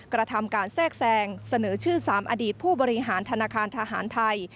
กระทำการแทรกแซงเสนอชื่อ๓อดีตผู้บริหารธนาคารทหารไทย